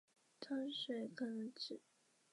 章水可能指